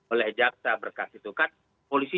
oleh jaksa berkas itu kan polisi